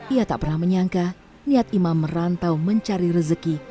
ia tak pernah menyangka niat imam merantau mencari rezeki